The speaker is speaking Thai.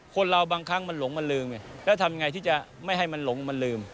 คนเราบางครั้งมันหลงมันลืมไงแล้วทำยังไงที่จะไม่ให้มันหลงมันลืม